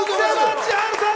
千春さん！